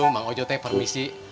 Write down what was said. bang ojo teh permisi